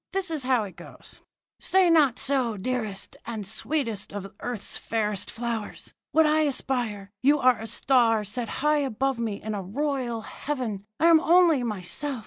This is how it goes: "'Say not so, dearest and sweetest of earth's fairest flowers. Would I aspire? You are a star set high above me in a royal heaven; I am only myself.